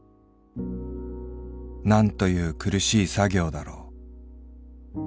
「何という苦しい作業だろう。